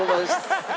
ハハハハ！